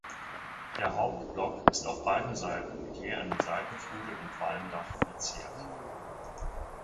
Der Hauptblock ist auf beiden Seiten mit je einem Seitenflügel und Walmdach verziert.